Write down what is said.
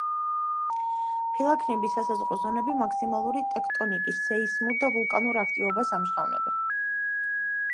ფილაქნების სასაზღვრო ზონები მაქსიმალური ტექტონიკის, სეისმურ და ვულკანურ აქტივობას ამჟღავნებენ.